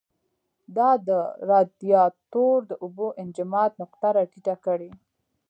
دا د رادیاتور د اوبو انجماد نقطه را ټیټه کړي.